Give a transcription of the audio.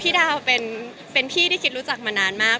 ดาวเป็นพี่ที่คิดรู้จักมานานมาก